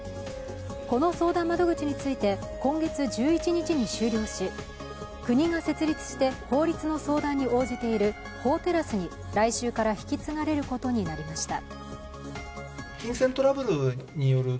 この相談窓口について今月１１日に終了し国が設立して法律の相談に応じている法テラスに来週から引き継がれることになりました。